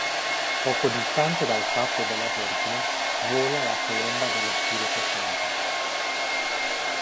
Poco distante dal capo della Vergine vola la colomba dello Spirito Santo.